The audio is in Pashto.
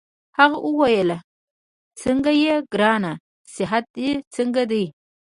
هغه وویل: څنګه يې ګرانه؟ صحت دي څنګه دی؟